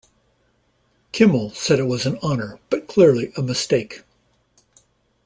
Kimmel said it was an honor but clearly a mistake.